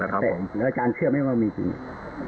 แล้วอาจารย์เชื่อไหมว่ามีจริง